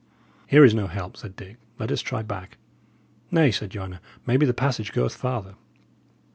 "Here is no help," said Dick. "Let us try back." "Nay," said Joanna; "maybe the passage goeth farther."